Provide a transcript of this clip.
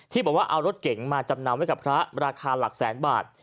บอกว่าเอารถเก๋งมาจำนำไว้กับพระราคาหลักแสนบาท